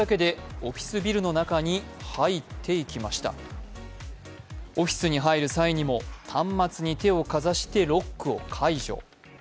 オフィスに入る際にも端末に手をかざしてロックを解除。